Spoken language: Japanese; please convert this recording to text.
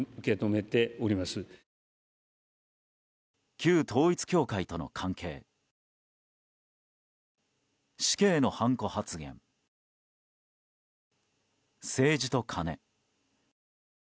旧統一教会との関係死刑のハンコ発言、政治とカネ。